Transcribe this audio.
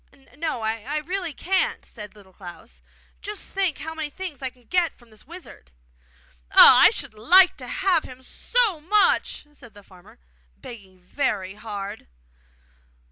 'No, I really can't,' said Little Klans. 'Just think how many things I can get from this wizard!' 'Ah! I should like to have him so much!' said the farmer, begging very hard.